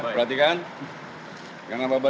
terima kasih aba aba